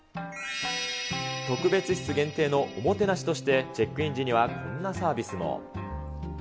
特別室限定のおもてなしとして、チェックイン時には、こんなサービスも。